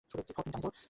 থর, তুমি ডানে যাও।